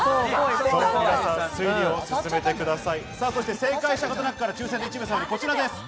正解した方の中から抽選で１名様にこちらです。